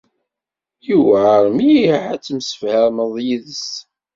Yewɛer mliḥ ad temsefhameḍ yid-s.